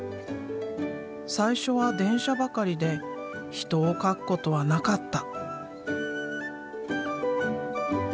最初は電車ばかりで人を描くことはなかった。